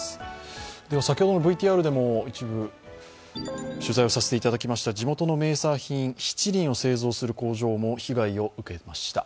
先ほどのＶＴＲでも一部取材をさせていただきました地元の名産品、しちりんを生産する工場も被害を受けました。